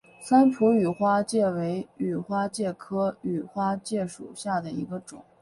三浦羽花介为尾花介科羽花介属下的一个种。